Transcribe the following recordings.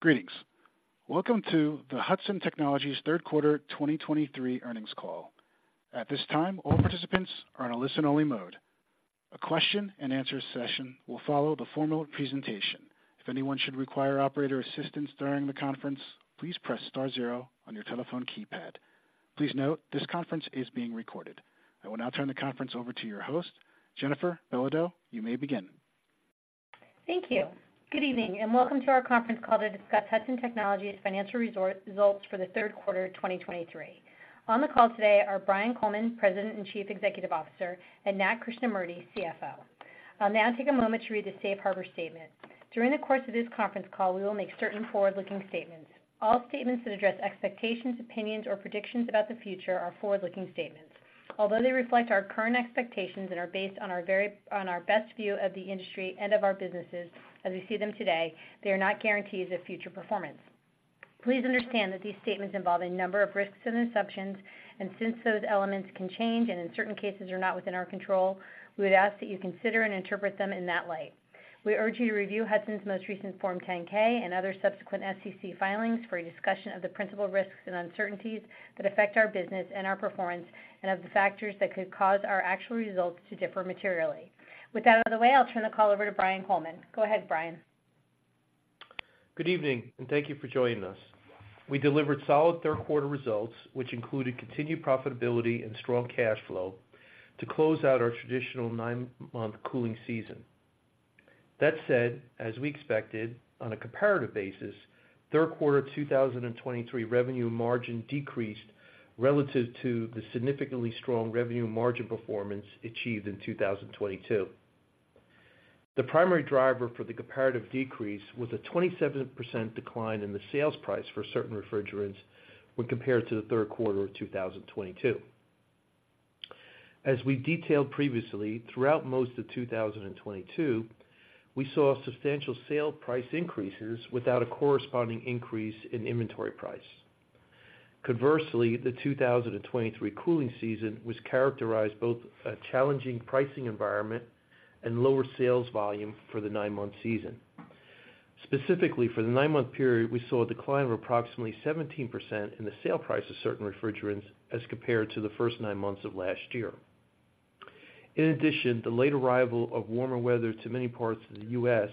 Greetings. Welcome to the Hudson Technologies Third Quarter 2023 Earnings Call. At this time, all participants are on a listen-only mode. A question-and-answer session will follow the formal presentation. If anyone should require operator assistance during the conference, please press star zero on your telephone keypad. Please note, this conference is being recorded. I will now turn the conference over to your host, Jennifer Belodeau. You may begin. Thank you. Good evening, and welcome to our conference call to discuss Hudson Technologies financial results for the third quarter of 2023. On the call today are Brian Coleman, President and Chief Executive Officer, and Nat Krishnamurti, CFO. I'll now take a moment to read the Safe Harbor statement. During the course of this conference call, we will make certain forward-looking statements. All statements that address expectations, opinions, or predictions about the future are forward-looking statements. Although they reflect our current expectations and are based on our best view of the industry and of our businesses as we see them today, they are not guarantees of future performance. Please understand that these statements involve a number of risks and assumptions, and since those elements can change and in certain cases are not within our control, we would ask that you consider and interpret them in that light. We urge you to review Hudson's most recent Form 10-K and other subsequent SEC filings for a discussion of the principal risks and uncertainties that affect our business and our performance, and of the factors that could cause our actual results to differ materially. With that out of the way, I'll turn the call over to Brian Coleman. Go ahead, Brian. Good evening, and thank you for joining us. We delivered solid third quarter results, which included continued profitability and strong cash flow, to close out our traditional nine-month cooling season. That said, as we expected, on a comparative basis, third quarter 2023 revenue margin decreased relative to the significantly strong revenue margin performance achieved in 2022. The primary driver for the comparative decrease was a 27% decline in the sales price for certain refrigerants when compared to the third quarter of 2022. As we detailed previously, throughout most of 2022, we saw substantial sale price increases without a corresponding increase in inventory price. Conversely, the 2023 cooling season was characterized both a challenging pricing environment and lower sales volume for the nine-month season. Specifically, for the nine-month period, we saw a decline of approximately 17% in the sale price of certain refrigerants as compared to the first nine months of last year. In addition, the late arrival of warmer weather to many parts of the U.S.,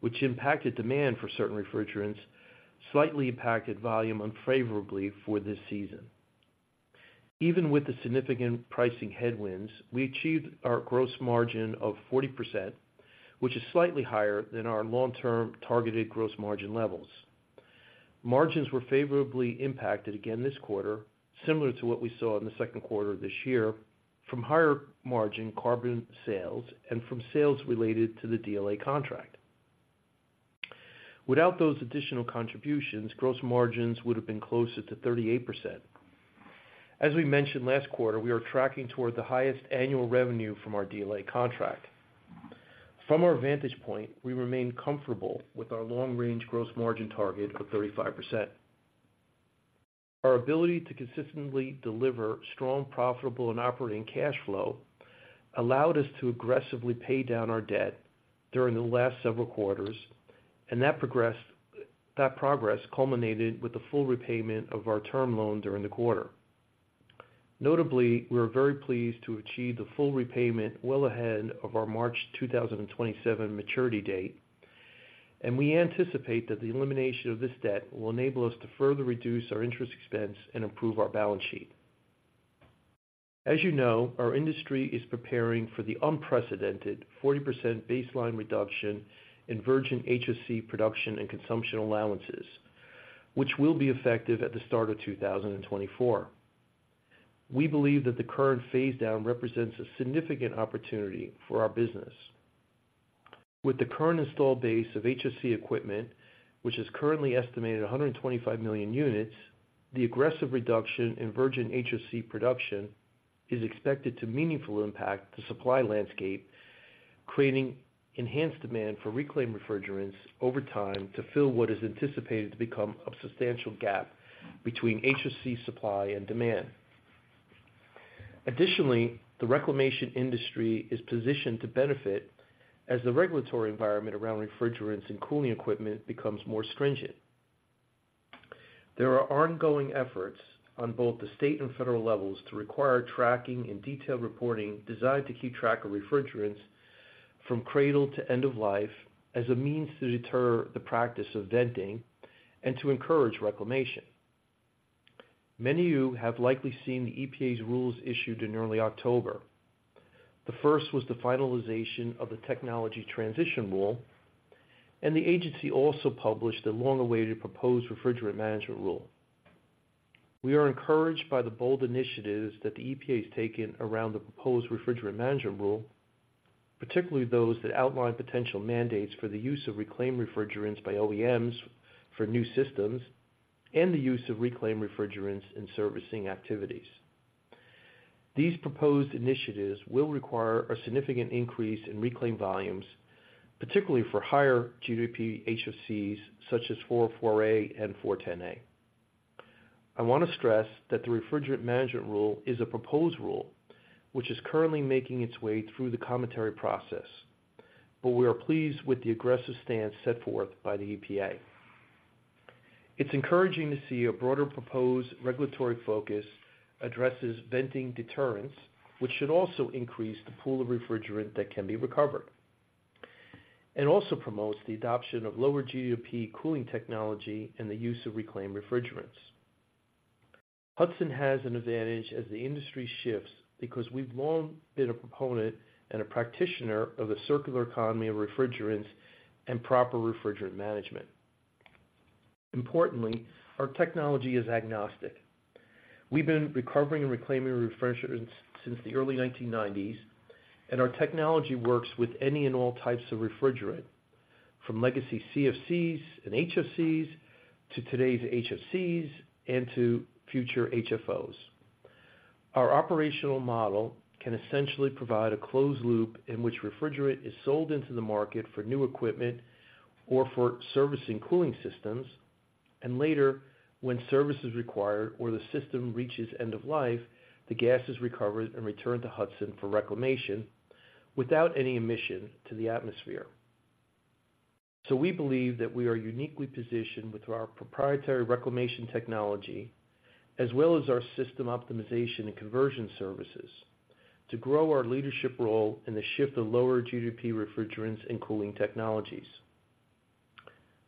which impacted demand for certain refrigerants, slightly impacted volume unfavorably for this season. Even with the significant pricing headwinds, we achieved our gross margin of 40%, which is slightly higher than our long-term targeted gross margin levels. Margins were favorably impacted again this quarter, similar to what we saw in the second quarter of this year, from higher margin carbon sales and from sales related to the DLA contract. Without those additional contributions, gross margins would have been closer to 38%. As we mentioned last quarter, we are tracking toward the highest annual revenue from our DLA contract. From our vantage point, we remain comfortable with our long-range gross margin target of 35%. Our ability to consistently deliver strong, profitable, and operating cash flow allowed us to aggressively pay down our debt during the last several quarters, and that progress, that progress culminated with the full repayment of our term loan during the quarter. Notably, we are very pleased to achieve the full repayment well ahead of our March 2027 maturity date, and we anticipate that the elimination of this debt will enable us to further reduce our interest expense and improve our balance sheet. As you know, our industry is preparing for the unprecedented 40% baseline reduction in virgin HFC production and consumption allowances, which will be effective at the start of 2024. We believe that the current phase down represents a significant opportunity for our business. With the current installed base of HFC equipment, which is currently estimated at 125 million units, the aggressive reduction in virgin HFC production is expected to meaningfully impact the supply landscape, creating enhanced demand for reclaimed refrigerants over time to fill what is anticipated to become a substantial gap between HFC supply and demand. Additionally, the reclamation industry is positioned to benefit as the regulatory environment around refrigerants and cooling equipment becomes more stringent. There are ongoing efforts on both the state and federal levels to require tracking and detailed reporting designed to keep track of refrigerants from cradle to end of life, as a means to deter the practice of venting and to encourage reclamation. Many of you have likely seen the EPA's rules issued in early October. The first was the finalization of the Technology Transition Rule, and the agency also published a long-awaited proposed Refrigerant Management Rule. We are encouraged by the bold initiatives that the EPA has taken around the proposed Refrigerant Management Rule, particularly those that outline potential mandates for the use of reclaimed refrigerants by OEMs for new systems and the use of reclaimed refrigerants in servicing activities. These proposed initiatives will require a significant increase in reclaimed volumes, particularly for higher GWP HFCs, such as R-404A and R-410A. I want to stress that the Refrigerant Management Rule is a proposed rule, which is currently making its way through the commentary process, but we are pleased with the aggressive stance set forth by the EPA. It's encouraging to see a broader proposed regulatory focus addresses venting deterrence, which should also increase the pool of refrigerant that can be recovered, and also promotes the adoption of lower GWP cooling technology and the use of reclaimed refrigerants. Hudson has an advantage as the industry shifts, because we've long been a proponent and a practitioner of the circular economy of refrigerants and proper refrigerant management. Importantly, our technology is agnostic. We've been recovering and reclaiming refrigerants since the early 1990s, and our technology works with any and all types of refrigerant, from legacy CFCs and HFCs, to today's HFCs, and to future HFOs. Our operational model can essentially provide a closed loop in which refrigerant is sold into the market for new equipment or for servicing cooling systems, and later, when service is required or the system reaches end of life, the gas is recovered and returned to Hudson for reclamation without any emission to the atmosphere. So we believe that we are uniquely positioned with our proprietary reclamation technology, as well as our system optimization and conversion services, to grow our leadership role in the shift to lower GWP refrigerants and cooling technologies.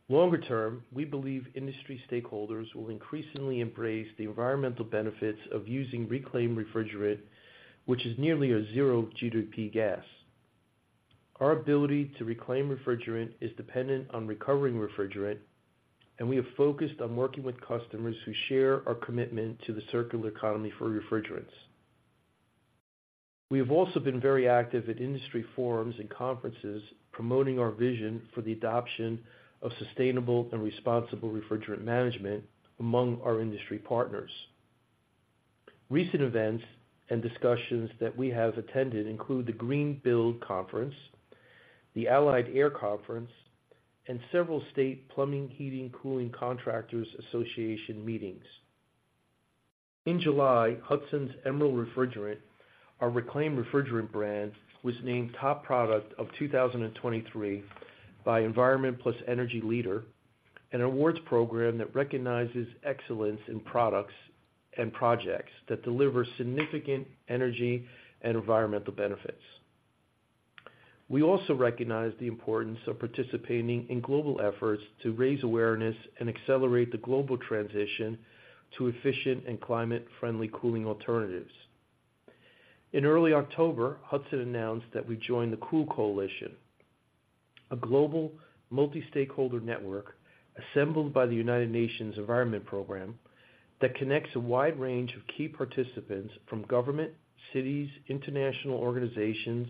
Longer term, we believe industry stakeholders will increasingly embrace the environmental benefits of using reclaimed refrigerant, which is nearly a zero GWP gas. Our ability to reclaim refrigerant is dependent on recovering refrigerant, and we have focused on working with customers who share our commitment to the circular economy for refrigerants. We have also been very active at industry forums and conferences, promoting our vision for the adoption of sustainable and responsible refrigerant management among our industry partners. Recent events and discussions that we have attended include the Greenbuild Conference, the Allied Air Conference, and several state Plumbing-Heating-Cooling Contractors Association meetings. In July, Hudson's EMERALD Refrigerant, our reclaimed refrigerant brand, was named Top Product of 2023 by Environment + Energy Leader, an awards program that recognizes excellence in products and projects that deliver significant energy and environmental benefits. We also recognize the importance of participating in global efforts to raise awareness and accelerate the global transition to efficient and climate-friendly cooling alternatives. In early October, Hudson announced that we joined the Cool Coalition, a global multi-stakeholder network assembled by the United Nations Environment Programme that connects a wide range of key participants from government, cities, international organizations,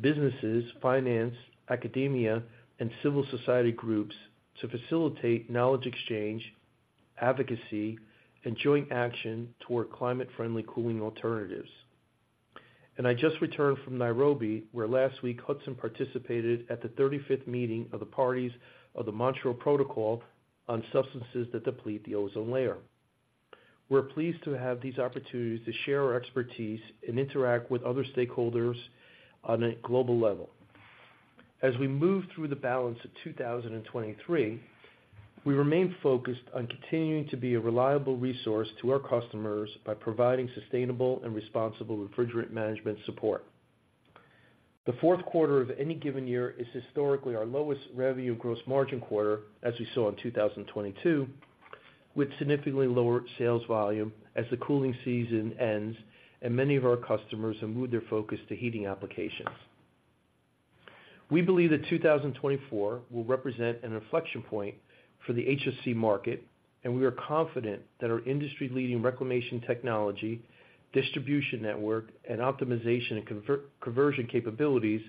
businesses, finance, academia, and civil society groups to facilitate knowledge exchange, advocacy, and joint action toward climate-friendly cooling alternatives. I just returned from Nairobi, where last week, Hudson participated at the 35th Meeting of the Parties of the Montreal Protocol on Substances that Deplete the Ozone Layer. We're pleased to have these opportunities to share our expertise and interact with other stakeholders on a global level. As we move through the balance of 2023, we remain focused on continuing to be a reliable resource to our customers by providing sustainable and responsible refrigerant management support. The fourth quarter of any given year is historically our lowest revenue gross margin quarter, as we saw in 2022, with significantly lower sales volume as the cooling season ends and many of our customers have moved their focus to heating applications. We believe that 2024 will represent an inflection point for the HFC market, and we are confident that our industry-leading reclamation technology, distribution network, and optimization and conversion capabilities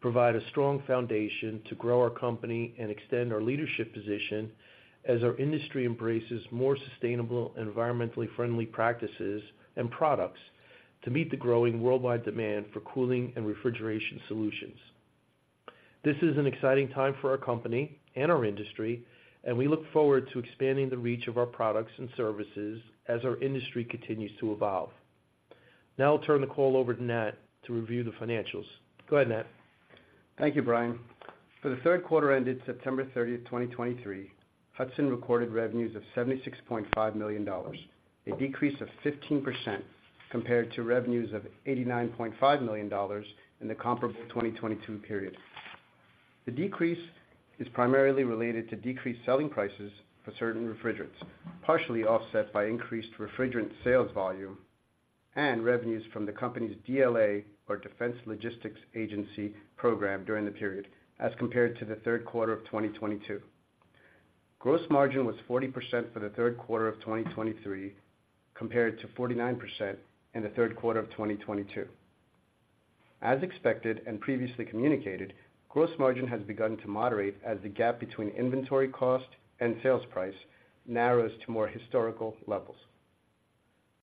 provide a strong foundation to grow our company and extend our leadership position as our industry embraces more sustainable and environmentally friendly practices and products to meet the growing worldwide demand for cooling and refrigeration solutions. This is an exciting time for our company and our industry, and we look forward to expanding the reach of our products and services as our industry continues to evolve. Now I'll turn the call over to Nat to review the financials. Go ahead, Nat. Thank you, Brian. For the third quarter ended September 30, 2023, Hudson recorded revenues of $76.5 million, a decrease of 15% compared to revenues of $89.5 million in the comparable 2022 period. The decrease is primarily related to decreased selling prices for certain refrigerants, partially offset by increased refrigerant sales volume and revenues from the company's DLA, or Defense Logistics Agency, program during the period, as compared to the third quarter of 2022. Gross margin was 40% for the third quarter of 2023, compared to 49% in the third quarter of 2022. As expected and previously communicated, gross margin has begun to moderate as the gap between inventory cost and sales price narrows to more historical levels.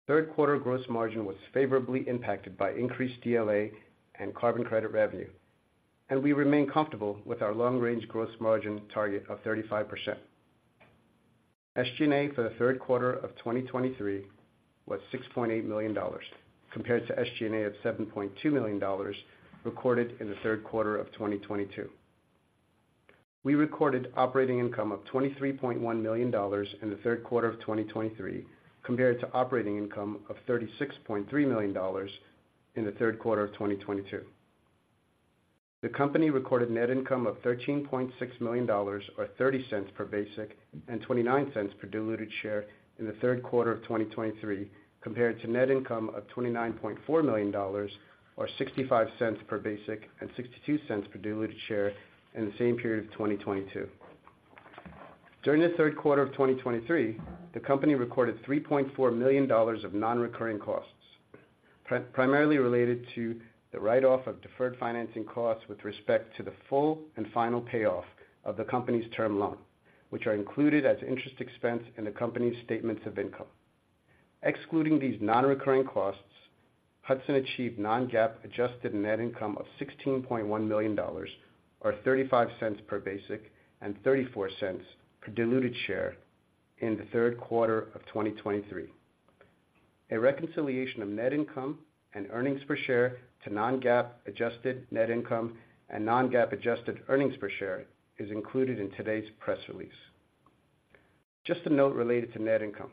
Third quarter gross margin was favorably impacted by increased DLA and carbon credit revenue, and we remain comfortable with our long-range gross margin target of 35%. SG&A for the third quarter of 2023 was $6.8 million, compared to SG&A of $7.2 million recorded in the third quarter of 2022. We recorded operating income of $23.1 million in the third quarter of 2023, compared to operating income of $36.3 million in the third quarter of 2022. The company recorded net income of $13.6 million, or $0.30 per basic and $0.29 per diluted share in the third quarter of 2023, compared to net income of $29.4 million, or $0.65 per basic and $0.62 per diluted share in the same period of 2022. During the third quarter of 2023, the company recorded $3.4 million of non-recurring costs, primarily related to the write-off of deferred financing costs with respect to the full and final payoff of the company's term loan, which are included as interest expense in the company's statements of income. Excluding these non-recurring costs, Hudson achieved non-GAAP adjusted net income of $16.1 million, or $0.35 per basic and $0.34 per diluted share in the third quarter of 2023. A reconciliation of net income and earnings per share to non-GAAP adjusted net income and non-GAAP adjusted earnings per share is included in today's press release. Just a note related to net income.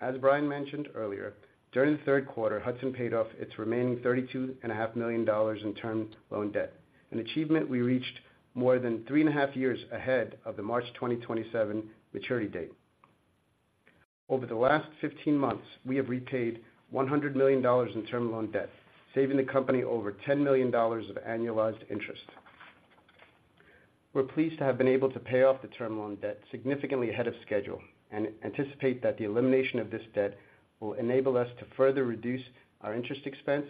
As Brian mentioned earlier, during the third quarter, Hudson paid off its remaining $32.5 million in term loan debt, an achievement we reached more than three and a half years ahead of the March 2027 maturity date. Over the last 15 months, we have repaid $100 million in term loan debt, saving the company over $10 million of annualized interest. We're pleased to have been able to pay off the term loan debt significantly ahead of schedule and anticipate that the elimination of this debt will enable us to further reduce our interest expense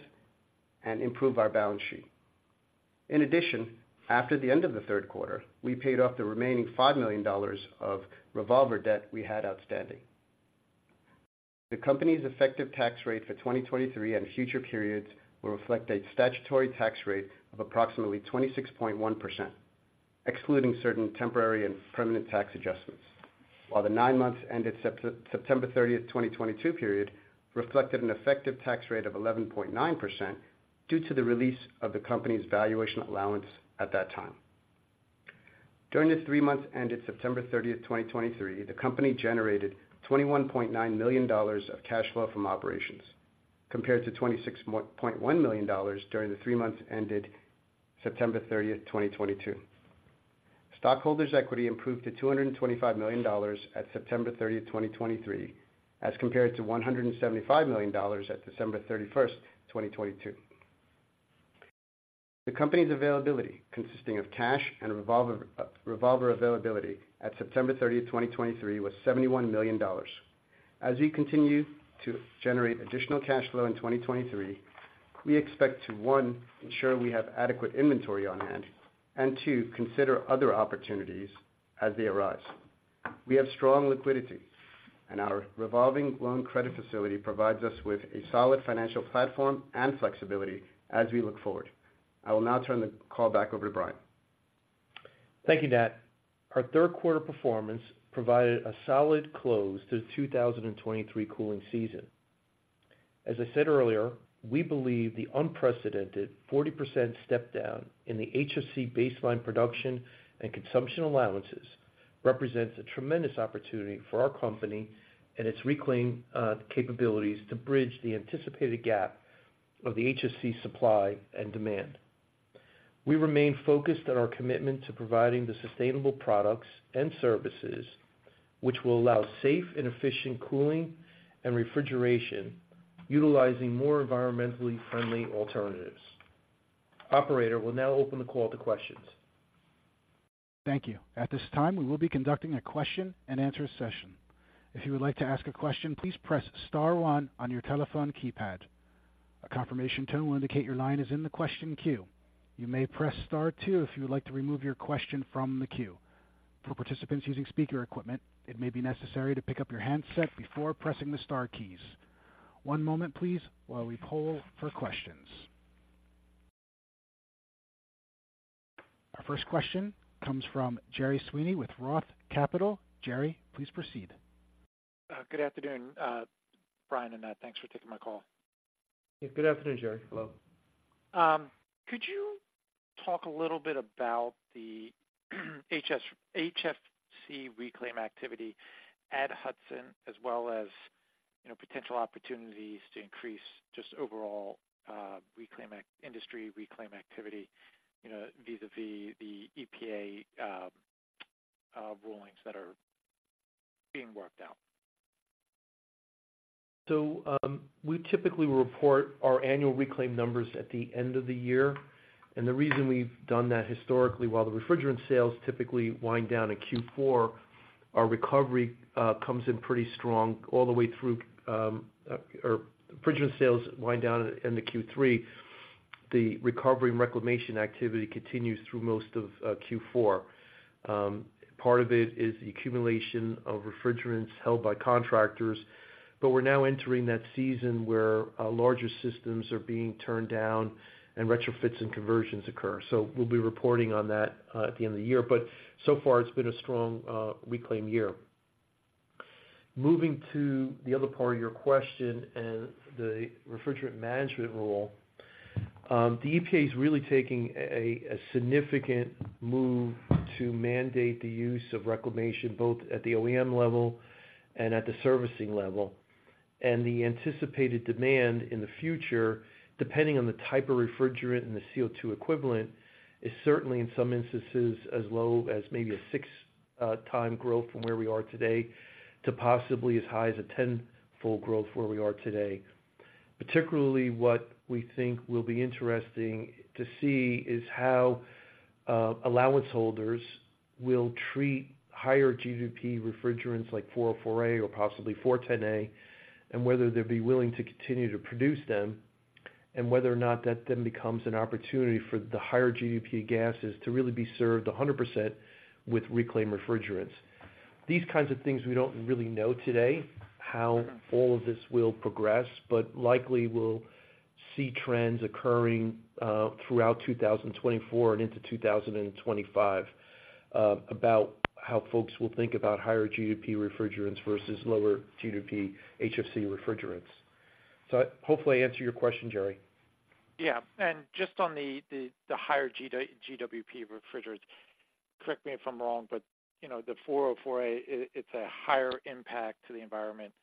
and improve our balance sheet. In addition, after the end of the third quarter, we paid off the remaining $5 million of revolver debt we had outstanding. The company's effective tax rate for 2023 and future periods will reflect a statutory tax rate of approximately 26.1%, excluding certain temporary and permanent tax adjustments. While the nine months ended September 30, 2022 period reflected an effective tax rate of 11.9% due to the release of the company's valuation allowance at that time. During the three months ended September 30, 2023, the company generated $21.9 million of cash flow from operations, compared to $26.1 million during the three months ended September 30, 2022. Stockholders' equity improved to $225 million at September 30, 2023, as compared to $175 million at December 31, 2022. The company's availability, consisting of cash and revolver, revolver availability at September 30, 2023, was $71 million. As we continue to generate additional cash flow in 2023, we expect to, one, ensure we have adequate inventory on hand, and two, consider other opportunities as they arise. We have strong liquidity, and our revolving loan credit facility provides us with a solid financial platform and flexibility as we look forward. I will now turn the call back over to Brian. Thank you, Nat. Our third quarter performance provided a solid close to the 2023 cooling season. As I said earlier, we believe the unprecedented 40% step down in the HFC baseline production and consumption allowances represents a tremendous opportunity for our company and its reclaimed capabilities to bridge the anticipated gap of the HFC supply and demand. We remain focused on our commitment to providing the sustainable products and services, which will allow safe and efficient cooling and refrigeration, utilizing more environmentally friendly alternatives. Operator, we'll now open the call to questions. Thank you. At this time, we will be conducting a question-and-answer session. If you would like to ask a question, please press star one on your telephone keypad. A confirmation tone will indicate your line is in the question queue. You may press star two if you would like to remove your question from the queue. For participants using speaker equipment, it may be necessary to pick up your handset before pressing the star keys. One moment, please, while we poll for questions. Our first question comes from Gerry Sweeney with ROTH Capital. Gerry, please proceed. Good afternoon, Brian and Nat. Thanks for taking my call. Good afternoon, Gerry. Hello. Could you talk a little bit about the HFC reclaim activity at Hudson, as well as, you know, potential opportunities to increase just overall reclaim industry reclaim activity, you know, vis-a-vis the EPA rulings that are being worked out? So, we typically report our annual reclaim numbers at the end of the year. And the reason we've done that historically, while the refrigerant sales typically wind down in Q4, our recovery comes in pretty strong all the way through, or refrigerant sales wind down in the Q3. The recovery and reclamation activity continues through most of Q4. Part of it is the accumulation of refrigerants held by contractors, but we're now entering that season where larger systems are being turned down and retrofits and conversions occur. So we'll be reporting on that at the end of the year, but so far it's been a strong reclaim year. Moving to the other part of your question and the Refrigerant Management Rule, the EPA is really taking a significant move to mandate the use of reclamation, both at the OEM level and at the servicing level. The anticipated demand in the future, depending on the type of refrigerant and the CO2 equivalent, is certainly, in some instances, as low as maybe a six time growth from where we are today, to possibly as high as a tenfold growth where we are today. Particularly, what we think will be interesting to see is how allowance holders will treat higher GWP refrigerants like R-404A or possibly R-410A, and whether they'd be willing to continue to produce them, and whether or not that then becomes an opportunity for the higher GWP gases to really be served 100% with reclaimed refrigerants. These kinds of things we don't really know today, how all of this will progress, but likely we'll see trends occurring throughout 2024 and into 2025 about how folks will think about higher GWP refrigerants versus lower GWP HFC refrigerants. So hopefully, I answered your question, Gerry. Yeah. Just on the higher GWP refrigerants, correct me if I'm wrong, but you know, the R-404A, it's a higher impact to the environment,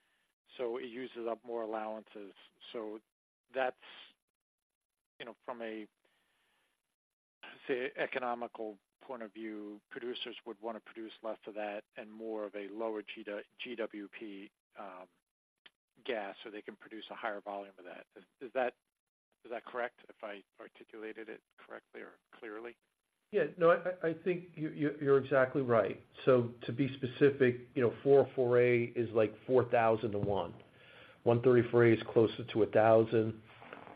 so it uses up more allowances. So that's, you know, from a, say, economical point of view, producers would wanna produce less of that and more of a lower GWP gas, so they can produce a higher volume of that. Is that correct, if I articulated it correctly or clearly? Yeah, no, I think you're exactly right. So to be specific, you know, R-404A is like 4,000 to one. R-134A is closer to 1,000.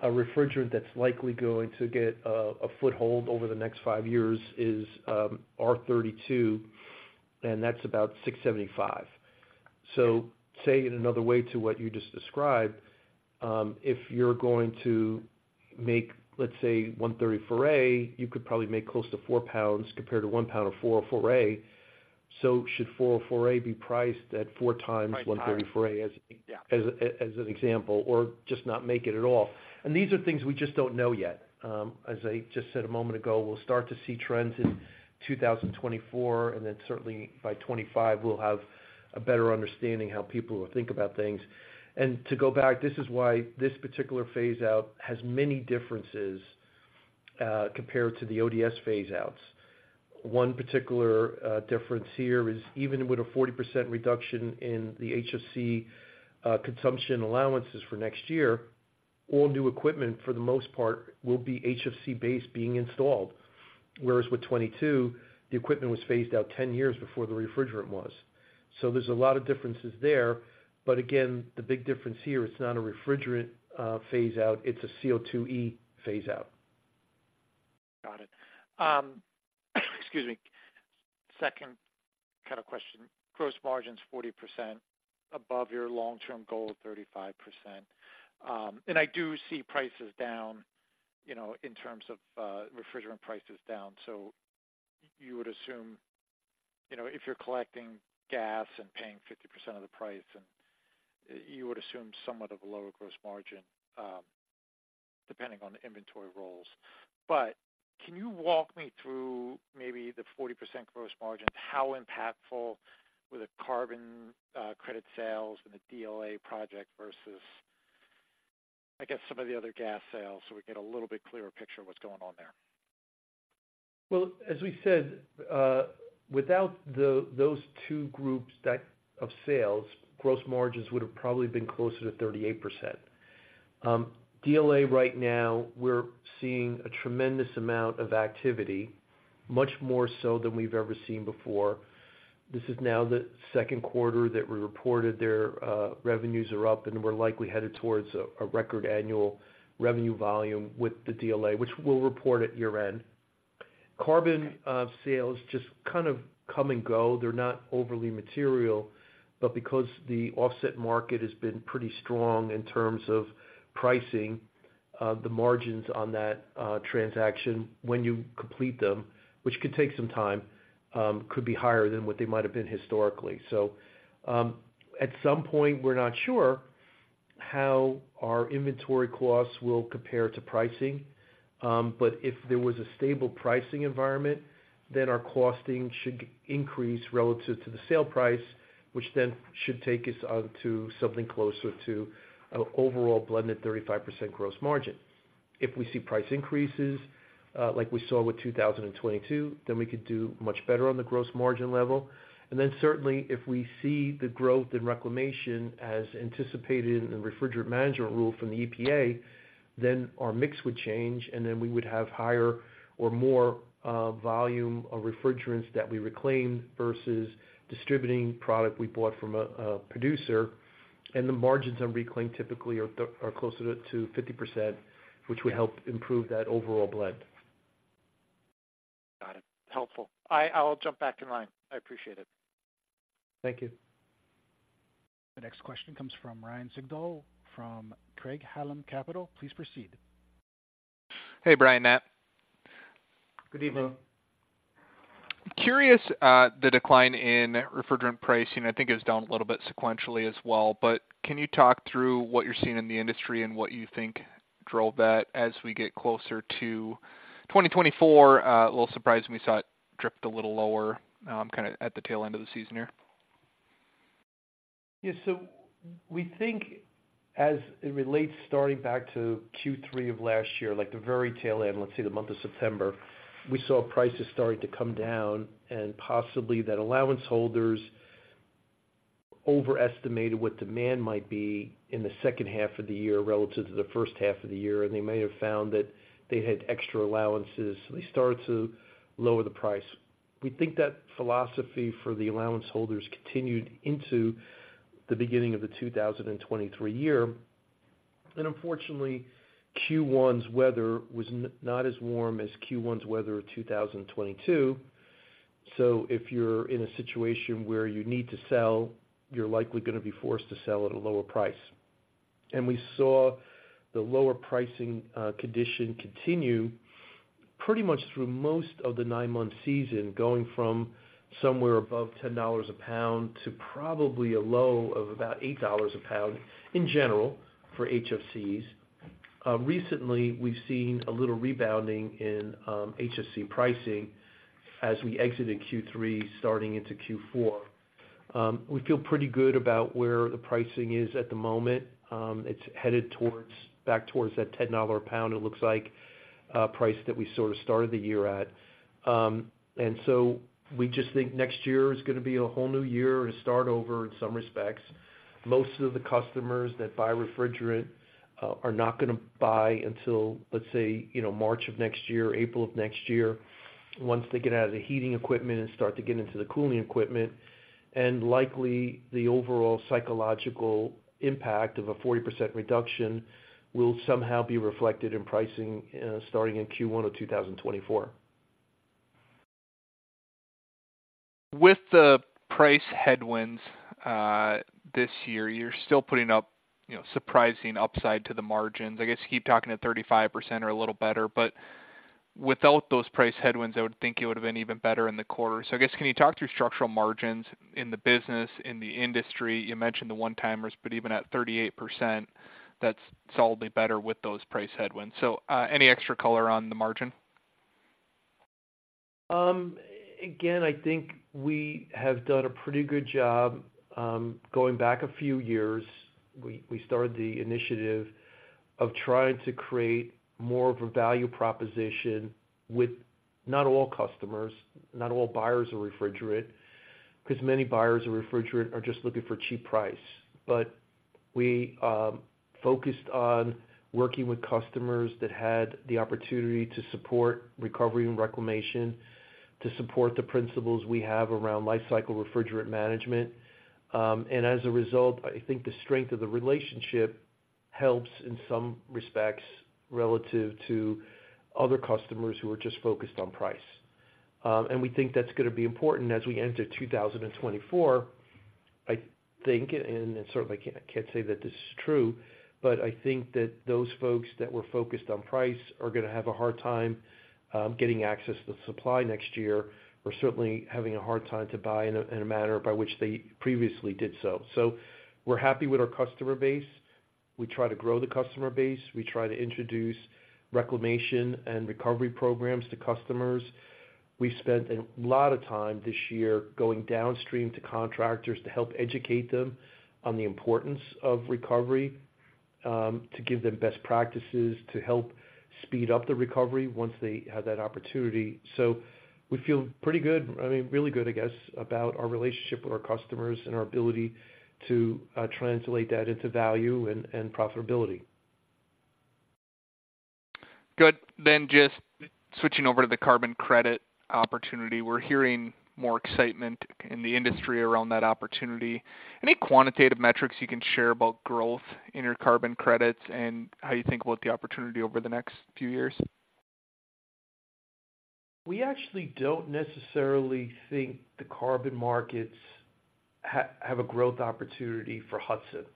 A refrigerant that's likely going to get a foothold over the next five years is R-32, and that's about 675. So say in another way to what you just described, if you're going to make, let's say, R-134A, you could probably make close to four pounds compared to one pound of R-404A. So should R-404A be priced at four times as, as an example, or just not make it at all. These are things we just don't know yet. As I just said a moment ago, we'll start to see trends in 2024, and then certainly by 2025, we'll have a better understanding how people will think about things. To go back, this is why this particular phase out has many differences compared to the ODS phase-outs. One particular difference here is, even with a 40% reduction in the HFC consumption allowances for next year, all new equipment, for the most part, will be HFC based being installed, whereas with 2022, the equipment was phased out 10 years before the refrigerant was. There's a lot of differences there, but again, the big difference here, it's not a refrigerant phase out, it's a CO2E phase out. Got it. Excuse me. Second kind of question, gross margin's 40% above your long-term goal of 35%. And I do see prices down, you know, in terms of, refrigerant prices down. So you would assume, you know, if you're collecting gas and paying 50% of the price, and you would assume somewhat of a lower gross margin, depending on the inventory roles. But can you walk me through maybe the 40% gross margin? How impactful were the carbon credit sales and the DLA project versus, I guess, some of the other gas sales, so we get a little bit clearer picture of what's going on there? Well, as we said, without those two groups that of sales, gross margins would have probably been closer to 38%. DLA right now, we're seeing a tremendous amount of activity, much more so than we've ever seen before. This is now the second quarter that we reported their revenues are up, and we're likely headed towards a record annual revenue volume with the DLA, which we'll report at year-end. Carbon sales just kind of come and go. They're not overly material, but because the offset market has been pretty strong in terms of pricing, the margins on that transaction when you complete them, which could take some time, could be higher than what they might have been historically. So, at some point, we're not sure how our inventory costs will compare to pricing, but if there was a stable pricing environment, then our costing should increase relative to the sale price, which then should take us on to something closer to an overall blended 35% gross margin. If we see price increases, like we saw with 2022, then we could do much better on the gross margin level. And then certainly, if we see the growth in reclamation as anticipated in the Refrigerant Management Rule from the EPA, then our mix would change, and then we would have higher or more volume of refrigerants that we reclaim versus distributing product we bought from a producer. And the margins on reclaim typically are closer to 50%, which would help improve that overall blend. Got it, helpful. I, I'll jump back in line. I appreciate it. Thank you. The next question comes from Ryan Sigdahl from Craig-Hallum Capital. Please proceed. Hey, Brian, Nat. Good evening. Curious, the decline in refrigerant pricing, I think it was down a little bit sequentially as well, but can you talk through what you're seeing in the industry and what you think drove that as we get closer to 2024? A little surprised when we saw it drift a little lower, kinda at the tail end of the season here. Yeah, so we think as it relates, starting back to Q3 of last year, like the very tail end, let's say the month of September, we saw prices starting to come down, and possibly that allowance holders overestimated what demand might be in the second half of the year relative to the first half of the year, and they may have found that they had extra allowances, so they started to lower the price. We think that philosophy for the allowance holders continued into the beginning of the 2023 year. And unfortunately, Q1's weather was not as warm as Q1's weather of 2022. So if you're in a situation where you need to sell, you're likely gonna be forced to sell at a lower price. We saw the lower pricing condition continue pretty much through most of the nine-month season, going from somewhere above $10 a pound to probably a low of about $8 a pound in general for HFCs. Recently, we've seen a little rebounding in HFC pricing as we exited Q3, starting into Q4. We feel pretty good about where the pricing is at the moment. It's headed towards back towards that $10 a pound, it looks like, price that we sort of started the year at. And so we just think next year is gonna be a whole new year to start over in some respects. Most of the customers that buy refrigerant, are not gonna buy until, let's say, you know, March of next year, April of next year, once they get out of the heating equipment and start to get into the cooling equipment. And likely, the overall psychological impact of a 40% reduction will somehow be reflected in pricing, starting in Q1 of 2024. With the price headwinds this year, you're still putting up, you know, surprising upside to the margins. I guess, keep talking to 35% or a little better, but without those price headwinds, I would think it would've been even better in the quarter. So I guess, can you talk through structural margins in the business, in the industry? You mentioned the one-timers, but even at 38%, that's solidly better with those price headwinds. So, any extra color on the margin? Again, I think we have done a pretty good job, going back a few years. We started the initiative of trying to create more of a value proposition with, not all customers, not all buyers of refrigerant, because many buyers of refrigerant are just looking for cheap price. But we focused on working with customers that had the opportunity to support recovery and reclamation, to support the principles we have around lifecycle refrigerant management. And as a result, I think the strength of the relationship helps in some respects relative to other customers who are just focused on price. And we think that's gonna be important as we enter 2024. I think, and certainly, I can't say that this is true, but I think that those folks that we're focused on price are gonna have a hard time getting access to supply next year, or certainly having a hard time to buy in a manner by which they previously did so. So we're happy with our customer base. We try to grow the customer base. We try to introduce reclamation and recovery programs to customers. We spent a lot of time this year going downstream to contractors to help educate them on the importance of recovery, to give them best practices, to help speed up the recovery once they have that opportunity. So we feel pretty good, I mean, really good, I guess, about our relationship with our customers and our ability to translate that into value and profitability. Good. Then just switching over to the carbon credit opportunity. We're hearing more excitement in the industry around that opportunity. Any quantitative metrics you can share about growth in your carbon credits and how you think about the opportunity over the next few years? We actually don't necessarily think the carbon markets have a growth opportunity for Hudson.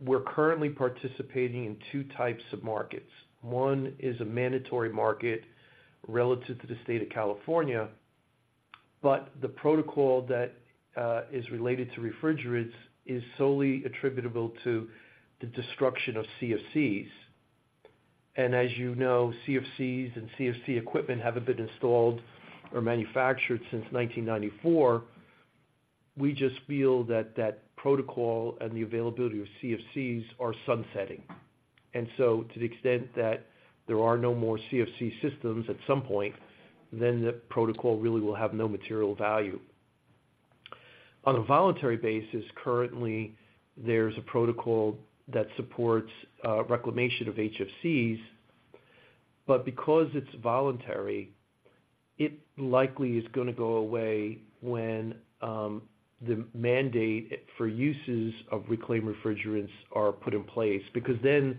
We're currently participating in two types of markets. One is a mandatory market relative to the state of California, but the protocol that is related to refrigerants is solely attributable to the destruction of CFCs. And as you know, CFCs and CFC equipment haven't been installed or manufactured since 1994. We just feel that that protocol and the availability of CFCs are sunsetting. And so to the extent that there are no more CFC systems, at some point, then the protocol really will have no material value. On a voluntary basis, currently, there's a protocol that supports reclamation of HFCs, but because it's voluntary, it likely is gonna go away when the mandate for uses of reclaimed refrigerants are put in place, because then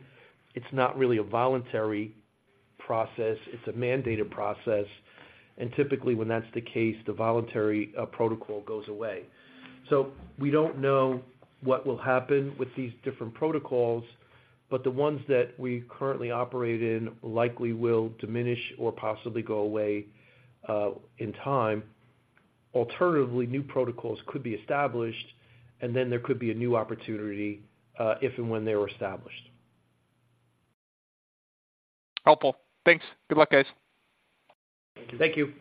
it's not really a voluntary process, it's a mandated process, and typically when that's the case, the voluntary protocol goes away. So we don't know what will happen with these different protocols, but the ones that we currently operate in likely will diminish or possibly go away in time. Alternatively, new protocols could be established, and then there could be a new opportunity if and when they were established. Helpful. Thanks. Good luck, guys. Thank you.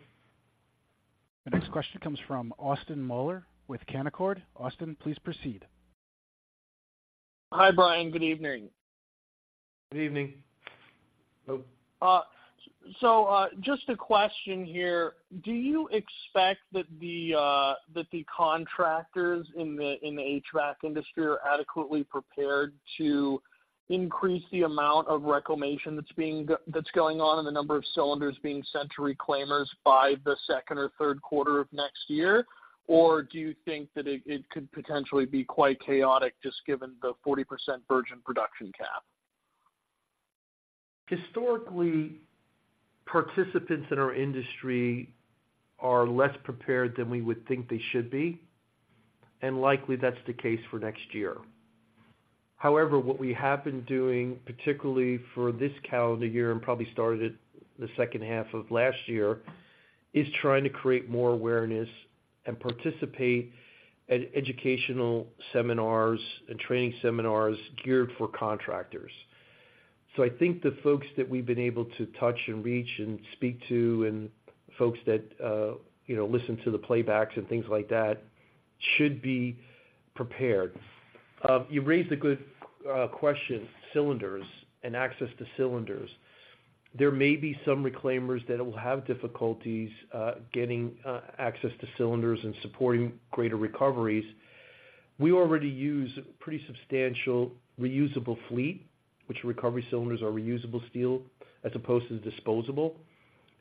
The next question comes from Austin Moeller with Canaccord. Austin, please proceed. Hi, Brian. Good evening. Good evening. Hello. So, just a question here: do you expect that the contractors in the HVAC industry are adequately prepared to increase the amount of reclamation that's going on and the number of cylinders being sent to reclaimers by the second or third quarter of next year? Or do you think that it could potentially be quite chaotic, just given the 40% virgin production cap? Historically, participants in our industry are less prepared than we would think they should be, and likely that's the case for next year. However, what we have been doing, particularly for this calendar year and probably started the second half of last year, is trying to create more awareness and participate at educational seminars and training seminars geared for contractors. So I think the folks that we've been able to touch and reach and speak to, and folks that, you know, listen to the playbacks and things like that, should be prepared. You raised a good question, cylinders and access to cylinders. There may be some reclaimers that will have difficulties getting access to cylinders and supporting greater recoveries. We already use pretty substantial reusable fleet, which recovery cylinders are reusable steel as opposed to disposable.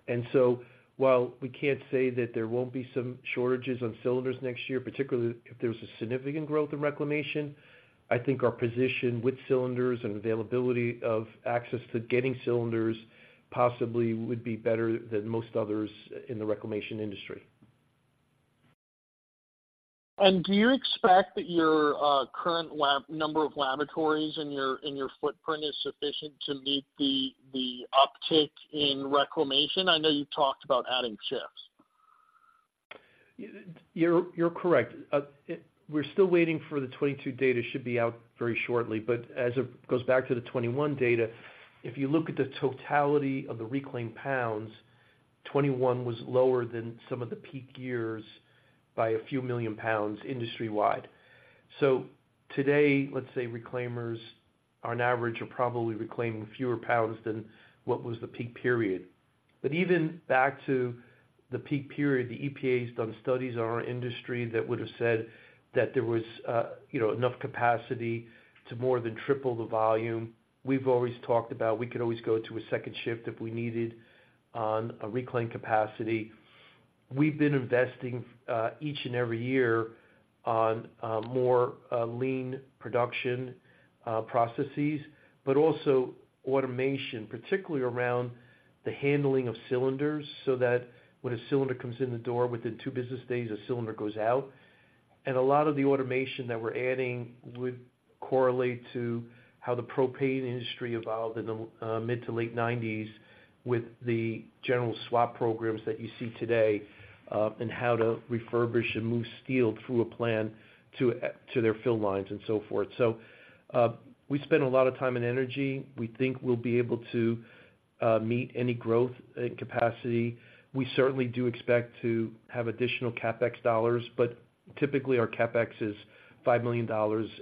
And so, while we can't say that there won't be some shortages on cylinders next year, particularly if there's a significant growth in reclamation, I think our position with cylinders and availability of access to getting cylinders, possibly would be better than most others in the reclamation industry. Do you expect that your current lab number of laboratories in your footprint is sufficient to meet the uptick in reclamation? I know you talked about adding shifts. You're correct. We're still waiting for the 2022 data, should be out very shortly, but as it goes back to the 2021 data, if you look at the totality of the reclaimed pounds, 2021 was lower than some of the peak years by a few million pounds industry-wide. So today, let's say, reclaimers, on average, are probably reclaiming fewer pounds than what was the peak period. But even back to the peak period, the EPA has done studies on our industry that would have said that there was, you know, enough capacity to more than triple the volume. We've always talked about we could always go to a second shift if we needed on a reclaim capacity. We've been investing each and every year on more lean production processes, but also automation, particularly around the handling of cylinders, so that when a cylinder comes in the door, within two business days, a cylinder goes out. And a lot of the automation that we're adding would correlate to how the propane industry evolved in the mid to late 1990s with the general swap programs that you see today, and how to refurbish and move steel through a plant to their fill lines and so forth. So, we spend a lot of time and energy. We think we'll be able to meet any growth and capacity. We certainly do expect to have additional CapEx dollars, but typically, our CapEx is $5 million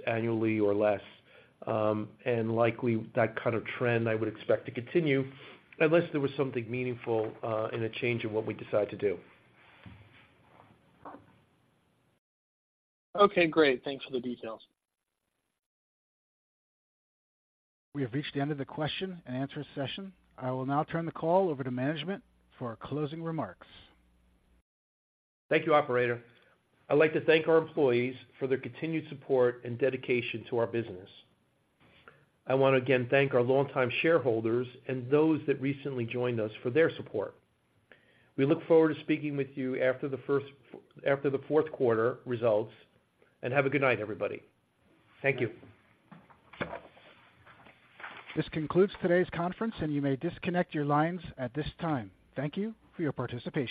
annually or less. Likely that kind of trend I would expect to continue, unless there was something meaningful in a change in what we decide to do. Okay, great. Thanks for the details. We have reached the end of the question-and-answer session. I will now turn the call over to management for closing remarks. Thank you, operator. I'd like to thank our employees for their continued support and dedication to our business. I want to again thank our longtime shareholders and those that recently joined us for their support. We look forward to speaking with you after the fourth quarter results, and have a good night, everybody. Thank you. This concludes today's conference, and you may disconnect your lines at this time. Thank you for your participation.